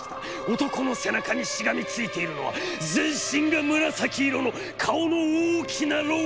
男の背中にしがみついているのは、全身が紫色の顔の大きな老婆でした。